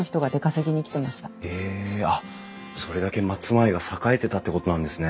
へえあっそれだけ松前が栄えてたってことなんですね。